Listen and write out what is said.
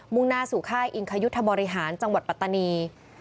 ่งหน้าสู่ค่ายอิงคยุทธบริหารจังหวัดปัตตานี